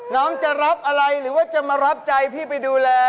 น้องจะรับอะไรหรือว่าจะมารับใจพี่ไปดูแล